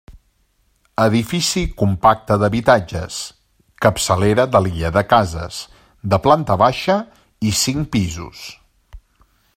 Edifici compacte d'habitatges, capçalera de l'illa de cases, de planta baixa i cinc pisos.